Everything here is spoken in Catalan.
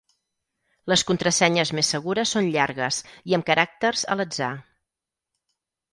Les contrasenyes més segures són llargues, i amb caràcters a l'atzar.